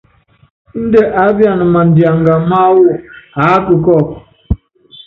Índɛ aápiana madianga máwú aáka kɔ́ɔku.